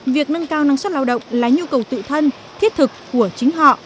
việc nâng cao năng suất lao động là nhu cầu tự thân thiết thực của chính họ